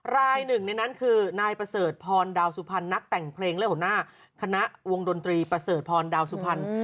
รายหนึ่งในนั้นคือนายประเสริฐพรดาวสุพรรณนักแต่งเพลงและหัวหน้าคณะวงดนตรีประเสริฐพรดาวสุพรรณ